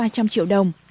ba trăm linh triệu đồng